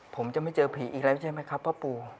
ผมจะไม่เจอผีอีกแล้วใช่ไหมครับพ่อปู่